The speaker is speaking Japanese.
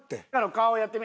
顔やってみ。